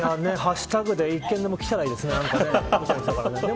ハッシュタグで１件でも来たらいいですね。